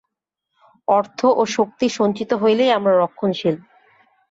অর্থ ও শক্তি সঞ্চিত হইলেই আমরা রক্ষণশীল।